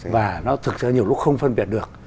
và nó thực sự nhiều lúc không phân biệt được